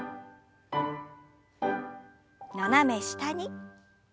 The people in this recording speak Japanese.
斜め下に。